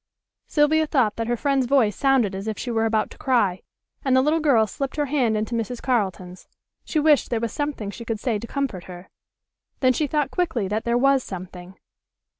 Sylvia thought that her friend's voice sounded as if she were about to cry, and the little girl slipped her hand into Mrs. Carleton's. She wished there was something she could say to comfort her. Then she thought quickly that there was something.